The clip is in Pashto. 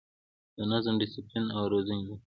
د نظم، ډسپلین او روزنې لپاره